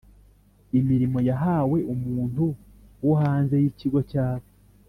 imirimo yahawe umuntu wo hanze y Ikigo cyabo